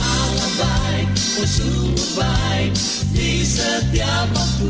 alam baik oh sungguh baik di setiap waktu